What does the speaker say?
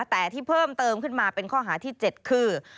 แต่ที่เพิ่มเติมขึ้นมาเป็นข้อหาที่๗คือ